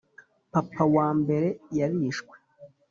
papa wa mbere yarishwe